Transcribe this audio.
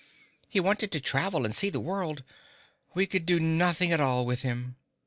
He wanted to travel and see the world. We could do nothing at all with him."